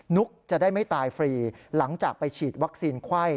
ุ๊กจะได้ไม่ตายฟรีหลังจากไปฉีดวัคซีนไข้